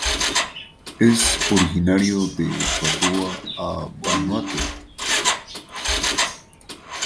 Es originario de Papua a Vanuatu.